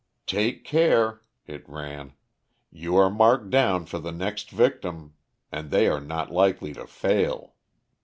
"Take care," it ran. "You are marked down for the next victim; and they are not likely to fail.